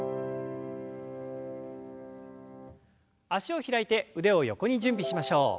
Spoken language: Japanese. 脚を開いて腕を横に準備しましょう。